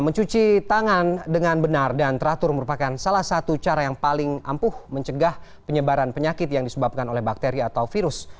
mencuci tangan dengan benar dan teratur merupakan salah satu cara yang paling ampuh mencegah penyebaran penyakit yang disebabkan oleh bakteri atau virus